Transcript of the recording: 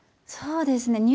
そうですね。